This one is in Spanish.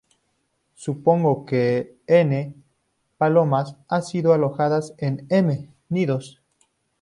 Supongamos que "n" palomas han sido alojadas en "m" nidos.